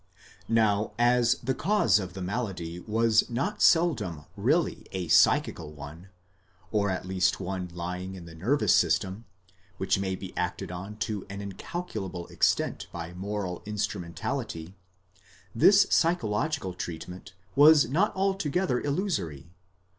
Now as the cause of the malady was not seldom really a psychical one, or at least one lying in the nervous system, which may be acted on to an incalculable extent by moral instrumentality, this psychological treatment was not altogether illusory